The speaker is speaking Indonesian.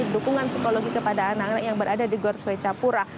dukungan psikologi kepada anak anak yang berada di gor swecapura